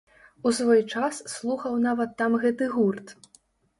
У свой час слухаў нават там гэты гурт.